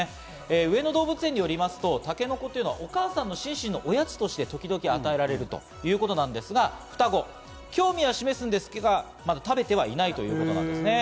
上野動物園によりますとタケノコはお母さんのシンシンのおやつとして時々与えられるということなんですが双子、興味は示すんですが、食べてはいないということなんですね。